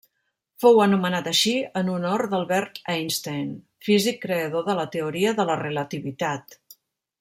Fou anomenat així en honor d'Albert Einstein, físic creador de la Teoria de la Relativitat.